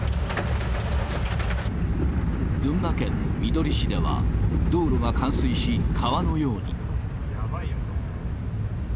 群馬県みどり市では道路が冠水し、川のように。